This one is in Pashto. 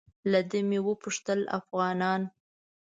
له ده مې وپوښتل افغانان.